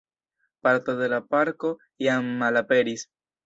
Parto de la parko jam malaperis.